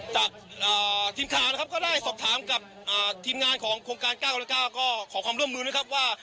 จากทีมข่าวนะครับก็ได้สอบถามกับทีมงานของโครงการ๙คนละ๙ก็ขอความร่วมมือนะครับว่า